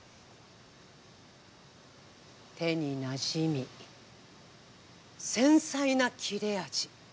手になじみ繊細な切れ味。